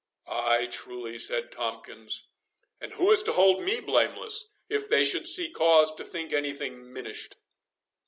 "Ay, truly," said Tomkins; "and who is to hold me blameless, if they should see cause to think any thing minished?